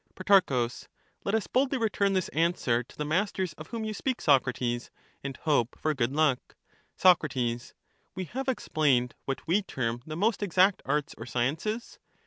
Pro. Let us boldly return this answer to the masters of whom you speak, Socrates, and hope for good luck. Soc. We have explained what we term the most exact arts or sciences.